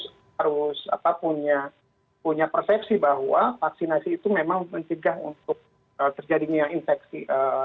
harus punya persepsi bahwa vaksinasi itu memang mencegah untuk terjadinya infeksi